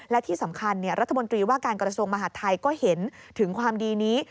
และที่สำคัญรัฐมนตรีว่าการกระทรวงมหาดไทยก็เห็นถึงความดีนี้